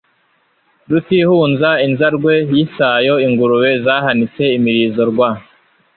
Rutihunza inzarwe yisayo Ingurube zahanitse imirizo Rwa